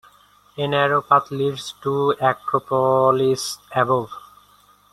A narrow path leads to the acropolis above.